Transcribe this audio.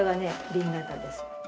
紅型です。